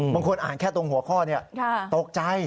บางคนอ่านแค่ตรงหัวข้อนี้ตกใจ